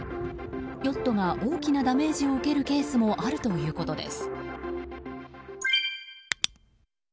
ヨットが大きなダメージを受けるケースもあるということです。